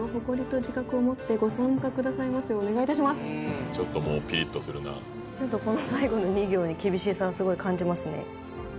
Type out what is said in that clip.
えっちょっともうピリッとするなちょっとこの最後の２行に厳しさをスゴい感じますね